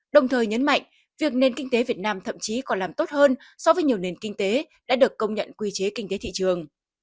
đồng thời nhấn mạnh việc nền kinh tế việt nam thậm chí còn làm tốt hơn so với nhiều nền kinh tế đã được công nhận quy chế kinh tế thị trường